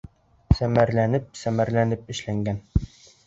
Семәрләнеп-семәрләнеп эшләнгән!